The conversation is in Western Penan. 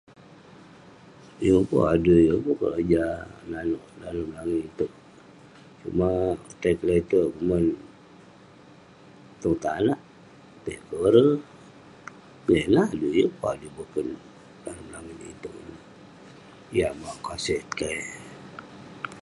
Yeng pun adui yeng pun keroja nanouk dalem langit itouk..sumak tai kle'terk tong tanak, tai kore, jah ineh adui. Yeng pun adui boken dalem langit itouk ineh, yah mauk kaseh tai.